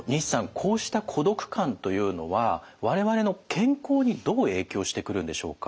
こうした孤独感というのは我々の健康にどう影響してくるんでしょうか？